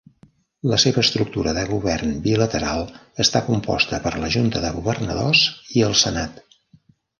La seva estructura de govern bilateral està composta per la Junta de Governadors i el Senat.